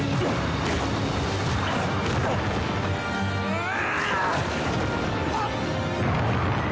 うわ！！